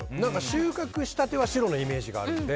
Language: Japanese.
収穫したては白のイメージがあるので。